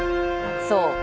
そう。